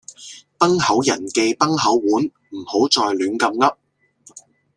崩口人忌崩口碗，唔好再亂咁噏。